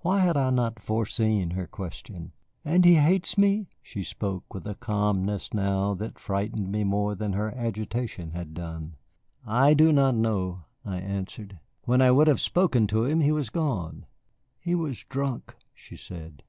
Why had I not foreseen her question? "And he hates me?" She spoke with a calmness now that frightened me more than her agitation had done. "I do not know," I answered; "when I would have spoken to him he was gone." "He was drunk," she said.